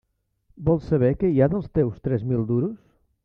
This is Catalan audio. Vols saber què hi ha dels teus tres mil duros?